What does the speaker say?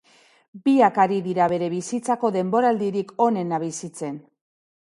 Biak ari dira bere bizitzako denboraldirik onena bizitzen.